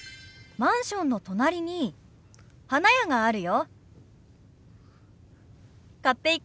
「マンションの隣に花屋があるよ」。